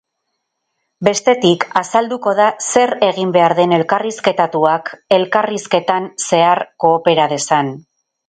Bestetik, azalduko da zer egin behar den elkarrizketatuak elkarrizketan zehar koopera dezan.